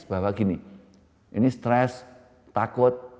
bahwa gini ini stres takut